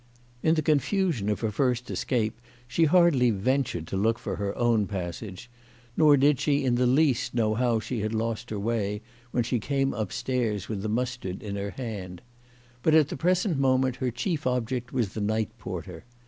In the confusion of her first escape she hardly ven tured to look for her own passage, nor did she in the least know how she had lost her way when she came CHRISTMAS AT THOMPSON HALL. 221 upstairs with the mustard in her hand. But at the present moment her chief object was the night porter.